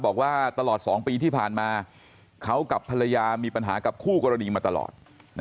บอกว่าตลอด๒ปีที่ผ่านมาเขากับภรรยามีปัญหากับคู่กรณีมาตลอด